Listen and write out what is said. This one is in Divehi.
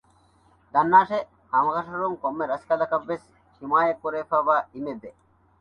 ދަންނާށޭ ހަމަކަށަވަރުން ކޮންމެ ރަސްކަލަކަށް ވެސް ޙިމާޔަތް ކުރެވިފައިވާ އިމެއް ވޭ